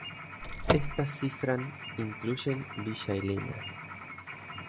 Estas cifran incluyen Villa Elena.